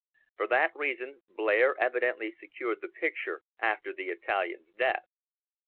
For that reason Blair evidently secured the picture after the Italian's death.